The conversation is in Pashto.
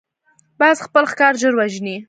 باز خپل ښکار ژر وژني